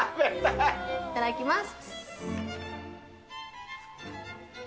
いただきます。